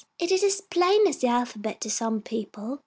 It is as plain as the alphabet to some people.